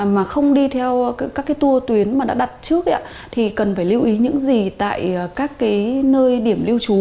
mà không đi theo các cái tour tuyến mà đã đặt trước thì cần phải lưu ý những gì tại các cái nơi điểm lưu trú